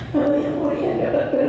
kalau yang mau